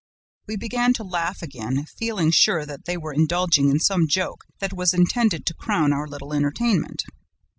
We began to laugh again, feeling sure that they were indulging in some joke that was intended to crown our little entertainment.